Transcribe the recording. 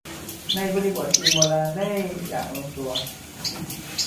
ในบริบทจีนโบราณ ได้อย่างลงตัว